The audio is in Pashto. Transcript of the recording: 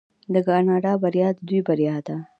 د کاناډا بریا د دوی بریا ده.